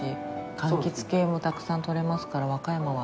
かんきつ系もたくさん取れますから和歌山は。